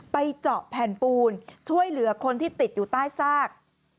เจาะแผ่นปูนช่วยเหลือคนที่ติดอยู่ใต้ซาก